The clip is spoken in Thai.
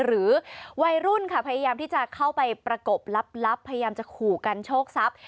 หรือวัยรุ่นค่ะพยายามที่จะเข้าไปประกบลับพยายามจะขู่กันโชคทรัพย์